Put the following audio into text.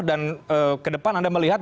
dan ke depan anda melihat